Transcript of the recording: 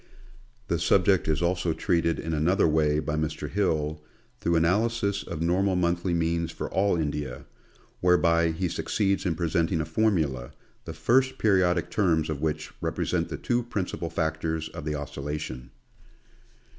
The subject is also treated in another way by Mr. Hill, through analysis of normal monthly means for all India, whereby he suc ceeds in presenting a formula, the first periodic terms of which represent the two principal factors of the oscillation.